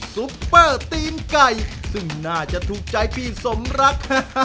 ซุปเปอร์ตีนไก่ซึ่งน่าจะถูกใจพี่สมรัก